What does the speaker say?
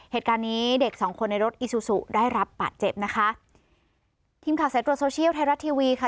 เหตุการณ์นี้เด็กสองคนในรถอีซูซูได้รับปาดเจ็บนะคะ